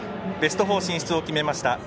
ベスト４進出を決めました。